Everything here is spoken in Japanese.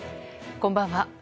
こんばんは。